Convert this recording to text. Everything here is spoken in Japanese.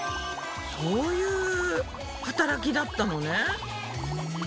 そういう働きだったのね。